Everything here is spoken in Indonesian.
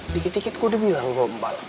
dikit dikit kok udah bilang gombal